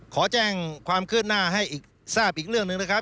ขอแจ้งความคืบหน้าให้อีกทราบอีกเรื่องหนึ่งนะครับ